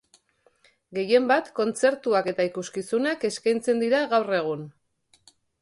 Gehienbat, kontzertuak eta ikuskizunak eskaintzen dira gaur egun.